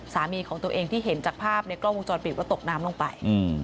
สามีของตัวเองที่เห็นจากภาพในกล้องวงจรปิดว่าตกน้ำลงไป